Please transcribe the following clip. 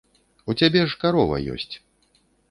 У цябе ж карова ёсць.